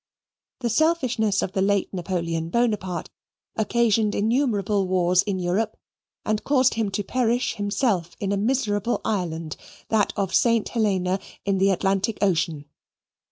The selfishness of the late Napoleon Bonaparte occasioned innumerable wars in Europe and caused him to perish, himself, in a miserable island that of Saint Helena in the Atlantic Ocean.